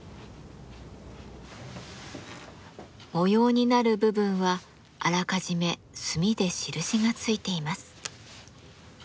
模様になる部分はあらかじめ墨で印がついています。